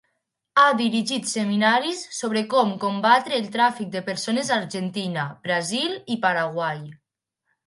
Ha dirigit seminaris sobre com combatre el tràfic de persones a Argentina, Brasil i Paraguai.